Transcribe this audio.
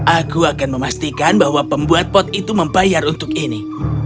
aku akan memastikan bahwa pembuat pot itu membayar untuk ini